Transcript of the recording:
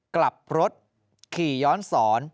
กลับรถขี่ย้อนสอน